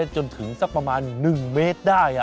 จนถึงสักประมาณ๑เมตรได้